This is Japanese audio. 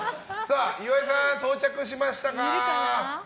岩井さん、到着しましたか？